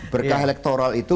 berkah elektoral itu